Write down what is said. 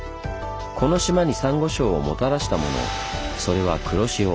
この島にサンゴ礁をもたらしたものそれは黒潮。